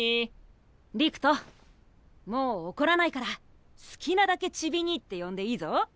陸斗もうおこらないから好きなだけちびにいって呼んでいいぞ。